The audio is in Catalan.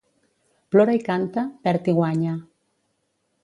Plora i canta, perd i guanya.